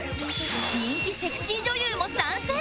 人気セクシー女優も参戦